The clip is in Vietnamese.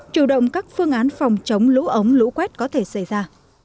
chủ động các phương án phòng chống lũ ống lũ quét có thể xảy ra